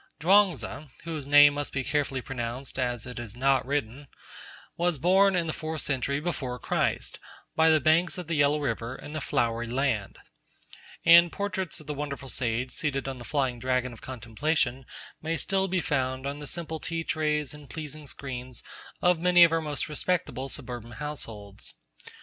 Chuang Tzu, whose name must carefully be pronounced as it is not written, was born in the fourth century before Christ, by the banks of the Yellow River, in the Flowery Land; and portraits of the wonderful sage seated on the flying dragon of contemplation may still be found on the simple tea trays and pleasing screens of many of our most respectable suburban households.